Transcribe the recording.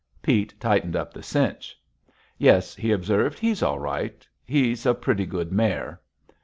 Pete tightened up the cinch. "Yes," he observed; "he's all right. He's a pretty good mare."